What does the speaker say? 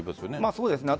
そうですね。